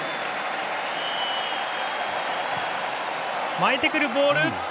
巻いてくるボール。